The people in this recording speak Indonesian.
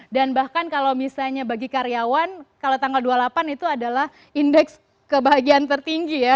dan bahkan kalau misalnya bagi karyawan kalau tanggal dua puluh delapan itu adalah indeks kebahagiaan tertinggi ya